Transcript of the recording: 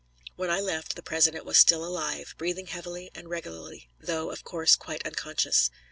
When I left, the President was still alive, breathing heavily and regularly, though, of course, quite unconscious.